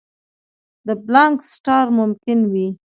د پلانک سټار ممکن وي.